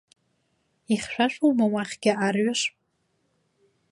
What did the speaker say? Ихьшәашәоума уахьгьы арҩаш?